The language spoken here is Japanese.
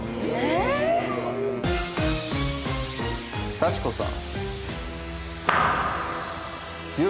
幸子さん。